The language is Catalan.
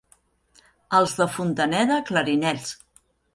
Els de Fontaneda, clarinets.